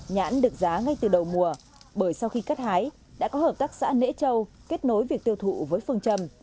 nhãn được giá ngay từ đầu mùa bởi sau khi cắt hái đã có hợp tác xã nễ châu kết nối việc tiêu thụ với phương trầm